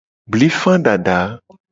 Blifa dada.